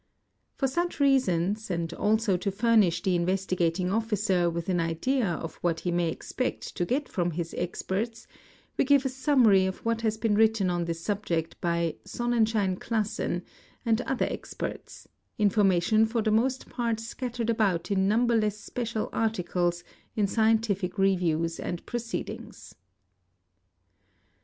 For such reasons and also to furnish the Investigating Officer with an — idea of what he may expect to get from his experts, we give a summary ~ of what has been written on this subject by Sonnenschein Classen and other experts, information for the most part scattered about in numberless — special articles in scientific Reviews and Proceedings.